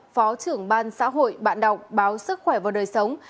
phó trưởng ban xã hội bạn đọc báo sức khỏe và đời sống